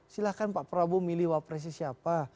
silahkan pak prabowo milih wapresnya siapa